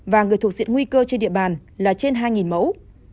và người thuộc diện nguy cơ trên địa bàn là trên hai mẫu